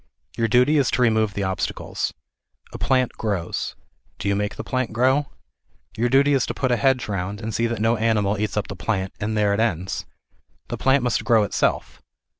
Your duty is to remove the obstacles. A plant grows. Do you make the plant grow ? Your duty is to put a hedge round, and see that no animal eats up the plant, and there it ends. The plant must grow itself.